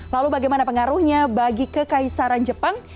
lalu bagaimana pengaruhnya bagi kekaisaran jepang